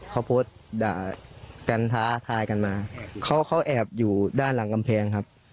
เขาโพสต์ด่ากันท้าทายกันมาเขาเขาแอบอยู่ด้านหลังกำแพงครับ